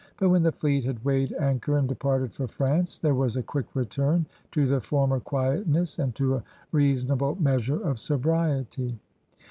But when the fleet had Weighed anchor and departed for France, there was a quick return to the former quietness and to a reasonable measure of sobriety.